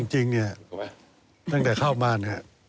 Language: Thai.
จริงนี่ตั้งแต่เข้ามา